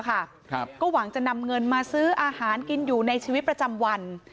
ก็หวังจะนำเงินมาซื้ออาหารกินอยู่ในชีวิตประจำวัน